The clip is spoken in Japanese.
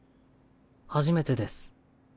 初めてです。